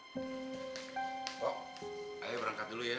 kok ayo berangkat dulu ya